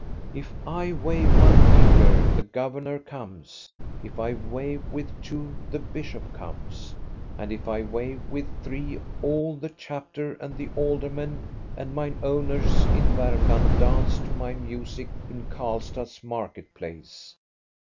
If I wave one finger the governor comes, if I wave with two the bishop comes, and if I wave with three all the chapter and the aldermen and mine owners in Varmland dance to my music in Karlstad's market place.